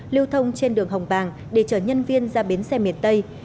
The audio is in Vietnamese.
lưu thông trên đường hồng bàng để chở nhân viên ra bến xe miền tây